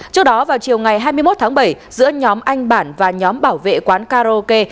trước đó vào chiều ngày hai mươi một tháng bảy giữa nhóm anh bản và nhóm bảo vệ quán karaoke